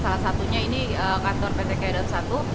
salah satunya ini kantor pt kaidon satu